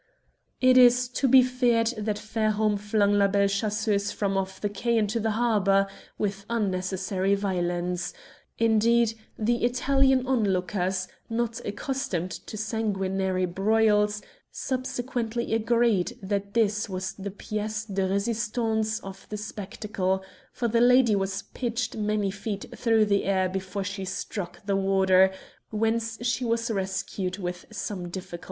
It is to be feared that Fairholme flung La Belle Chasseuse from off the quay into the harbour with unnecessary violence. Indeed, the Italian onlookers, not accustomed to sanguinary broils, subsequently agreed that this was the pièce de resistance of the spectacle, for the lady was pitched many feet through the air before she struck the water, whence she was rescued with some difficulty.